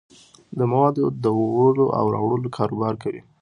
د موادو دوړلو او راوړلو کاروبار کوي.